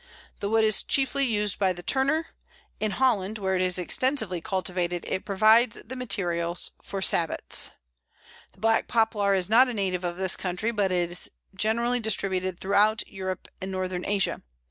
The wood is chiefly used by the turner; in Holland, where it is extensively cultivated, it provides the material for sabots. The Black Poplar is not a native of this country, but it is generally distributed throughout Europe and Northern Asia.